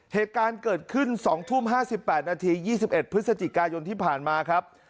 เหตุการณ์เกิดขึ้น๒ทุ่ม๕๘นาที๒๑พฤศจิกายนที่ผ่านมาครับ